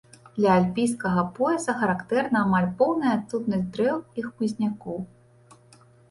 Для альпійскага пояса характэрна амаль поўная адсутнасць дрэў і хмызнякоў.